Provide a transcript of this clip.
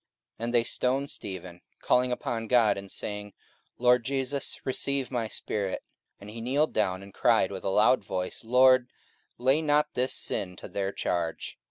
44:007:059 And they stoned Stephen, calling upon God, and saying, Lord Jesus, receive my spirit. 44:007:060 And he kneeled down, and cried with a loud voice, Lord, lay not this sin to their charge.